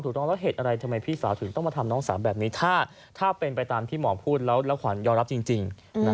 ต้องแล้วเหตุอะไรทำไมพี่สาวถึงต้องมาทำน้องสาวแบบนี้ถ้าเป็นไปตามที่หมอพูดแล้วแล้วขวัญยอมรับจริง